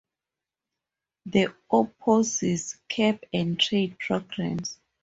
He opposes cap-and-trade programs.